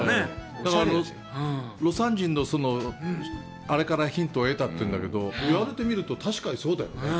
だから、魯山人のあれからヒントを得たって言うんだけど、言われてみると、確かにそうだよね。